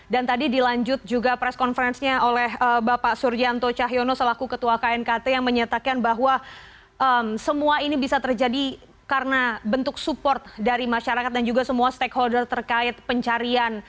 dan tadi dilanjut juga press conference nya oleh bapak suryanto cahyono selaku ketua knkt yang menyatakan bahwa semua ini bisa terjadi karena bentuk support dari masyarakat dan juga semua stakeholder terkait pencarian